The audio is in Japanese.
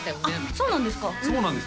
そうなんです